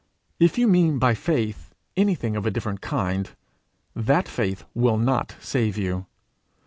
If you mean by faith anything of a different kind, that faith will not save you.